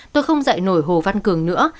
tôi không dạy nổi hồ văn cường nữa